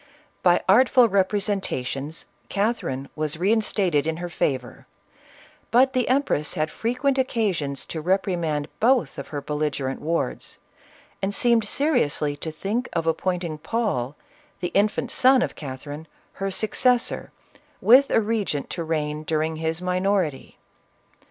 By artful representations, Catherine was reinstated in her favor, but the empress had frequent occasion to reprimand both of her bellige rent wards, and seemed seriously to think of appoint ing Paul, the infant son* of Catherine, her successor, with a regent to reign during his minority.